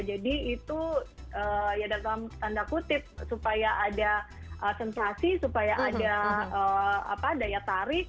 jadi itu ya dalam tanda kutip supaya ada sensasi supaya ada daya tarik